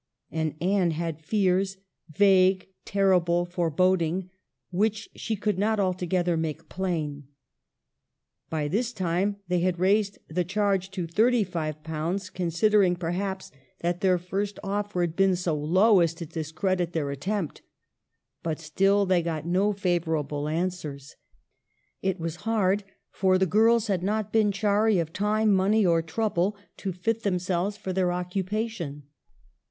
And Anne had fears — vague, terrible, forebod ing — which she could not altogether make plain. By this time they had raised the charge to ^35, considering, perhaps, that their first offer THE PROSPECTUSES. 1^1 had been so low as to discredit their attempt. But still they got no favorable answers. It was hard, for the girls had not been chary of time, money, or trouble to fit themselves for their occupation.